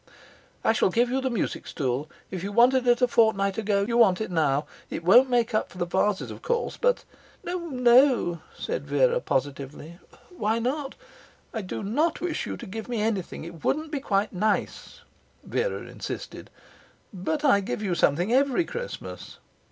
'I shall give you the music stool. If you wanted it a fortnight ago, you want it now. It won't make up for the vases, of course, but ' 'No, no,' said Vera, positively. 'Why not?' 'I do not wish you to give me anything. It wouldn't be quite nice,' Vera insisted. 'But I give you something every Christmas.'